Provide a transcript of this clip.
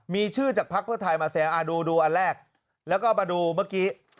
มีชื่อจากภักดิ์เพื่อไทยมาแสดงดูอันแรกแล้วก็มาดูเมื่อกี้